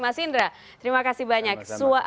mas indra terima kasih banyak